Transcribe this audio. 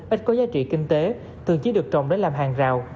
ít có giá trị kinh tế thường chỉ được trồng để làm hàng rào